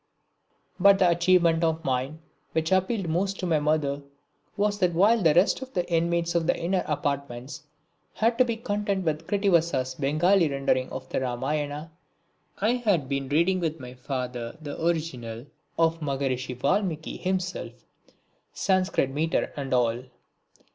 But the achievement of mine which appealed most to my mother was that while the rest of the inmates of the inner apartments had to be content with Krittivasa's Bengali rendering of the Ramayana, I had been reading with my father the original of Maharshi Valmiki himself, Sanscrit metre and all.